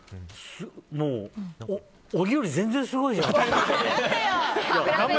もう小木より全然すごいじゃん。